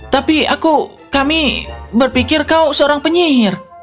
tapi kami berpikir kau seorang penyihir